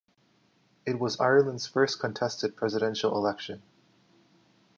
It was Ireland's first contested presidential election.